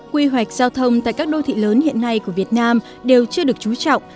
quy hoạch giao thông tại các đô thị lớn hiện nay của việt nam đều chưa được trú trọng